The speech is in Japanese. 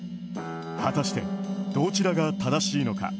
果たして、どちらが正しいのか。